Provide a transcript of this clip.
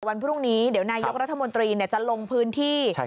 วันพรุ่งนี้เดี๋ยวนายกรัฐมนตรีจะลงพื้นที่